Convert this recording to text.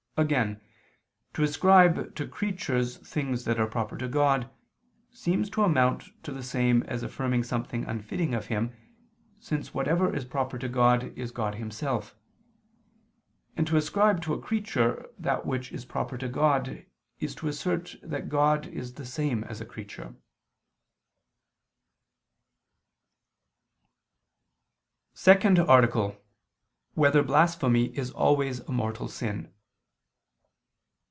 Again to ascribe to creatures things that are proper to God, seems to amount to the same as affirming something unfitting of Him, since whatever is proper to God is God Himself: and to ascribe to a creature, that which is proper to God, is to assert that God is the same as a creature. _______________________ SECOND ARTICLE [II II, Q. 13, Art. 2] Whether Blasphemy Is Always a Mortal Sin?